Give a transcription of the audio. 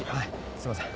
すいません。